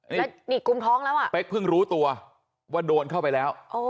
แล้วนี่กุมท้องแล้วอ่ะเป๊กเพิ่งรู้ตัวว่าโดนเข้าไปแล้ว